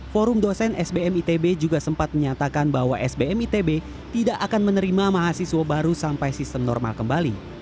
forum dosen sbm itb juga sempat menyatakan bahwa sbm itb tidak akan menerima mahasiswa baru sampai sistem normal kembali